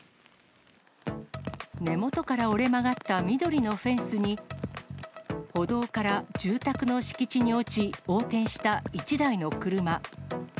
根元から折れ曲がった緑のフェンスに、歩道から住宅の敷地に落ち、横転した１台の車。